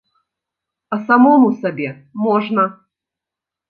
А самому сабе можна.